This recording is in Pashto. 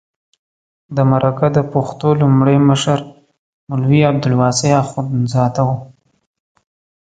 د مرکه د پښتو لومړی مشر مولوي عبدالواسع اخندزاده و.